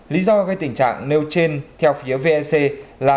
lý do gây tình trạng nêu trên theo phía vec là